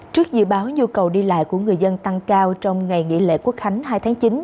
trước dự báo nhu cầu đi lại của người dân tăng cao trong ngày nghỉ lễ quốc khánh hai tháng chín